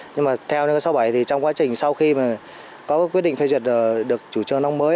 nhưng mà theo nghị định sáu bảy thì trong quá trình sau khi mà có quyết định phê duyệt được chủ trương nông mới